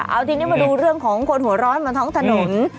เอาทีนี้มาดูเรื่องของคนหัวร้อนบนท้องถนน